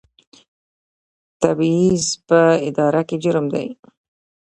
تبعیض په اداره کې جرم دی